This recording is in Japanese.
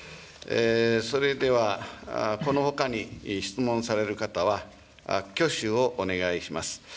それではこのほかに質問される方は、挙手をお願いします。